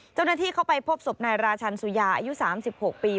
เจ้าหน้าที่เข้าไปพบศพนายราชันสุยาอายุ๓๖ปี